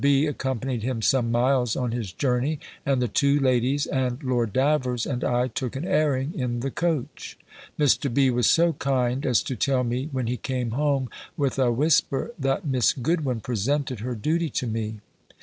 B. accompanied him some miles on his journey, and the two ladies, and Lord Davers, and I, took an airing in the coach. Mr. B. was so kind as to tell me, when he came home, with a whisper, that Miss Goodwin presented her duty to me.